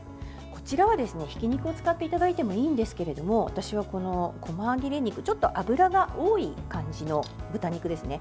こちらは、ひき肉を使っていただいてもいいんですけれども私はこま切れ肉ちょっと脂が多い感じの豚肉ですね。